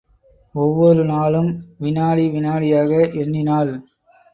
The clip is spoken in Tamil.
ஒவ்வொரு நாளும் வினாடி வினாடியாக எண்ணினாள்.